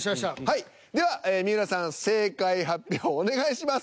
はいでは三浦さん正解発表お願いします。